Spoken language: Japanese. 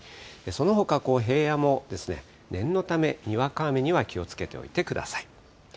そのほか、平野も念のため、にわか雨には気をつけておいてください。